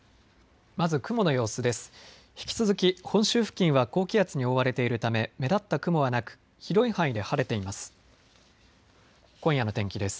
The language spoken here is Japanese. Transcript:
まず雲の様子です。